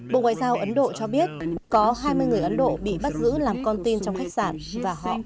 bộ ngoại giao ấn độ cho biết có hai mươi người ấn độ bị bắt giữ làm con tin trong khách sạn và họ còn sống